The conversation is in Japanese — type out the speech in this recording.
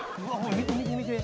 見て見て見て。